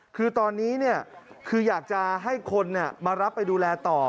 คือตอนนี้คืออยากจะให้คนมารับไปดูแลต่อ